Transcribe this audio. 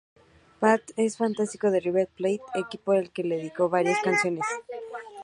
Prat es fanático de River Plate; equipo al que le dedicó varias canciones